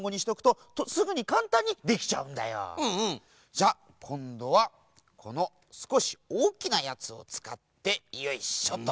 じゃこんどはこのすこしおおきなやつをつかってよいしょと。